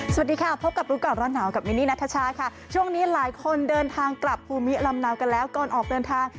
สวัสดีค่ะพบกับรู้ก่อนร้อนหนาวกับมินนี่นัทชาค่ะช่วงนี้หลายคนเดินทางกลับภูมิลำเนากันแล้วก่อนออกเดินทาง